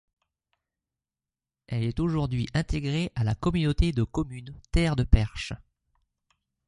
Elle est aujourd'hui intégrée à la communauté de communes Terres de Perche.